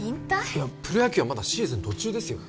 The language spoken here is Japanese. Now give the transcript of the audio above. いやプロ野球はまだシーズン途中ですよ